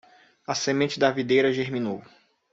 A semente da videira germinou